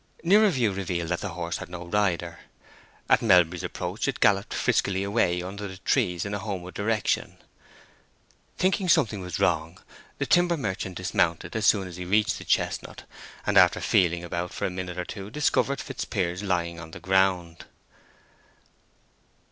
Nearer view revealed that the horse had no rider. At Melbury's approach it galloped friskily away under the trees in a homeward direction. Thinking something was wrong, the timber merchant dismounted as soon as he reached the chestnut, and after feeling about for a minute or two discovered Fitzpiers lying on the ground.